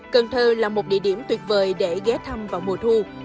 cần thơ là một địa điểm tuyệt vời để ghé thăm vào mùa thu